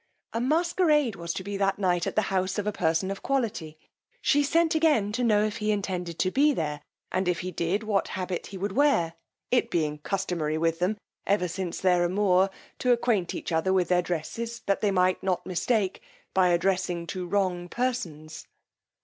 A masquerade was to be that night at the house of a person of quality: she sent again to know if he intended to be there, and, if he did, what habit he would wear, it being customary with them, ever since their amour, to acquaint each other with their dresses, that they might not mistake, by addressing to wrong persons.